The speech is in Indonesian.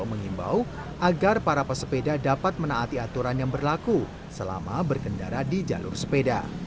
mengimbau agar para pesepeda dapat menaati aturan yang berlaku selama berkendara di jalur sepeda